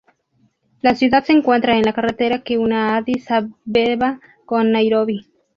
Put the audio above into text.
La ciudad se encuentra en la carretera que une a Addis Abeba con Nairobi.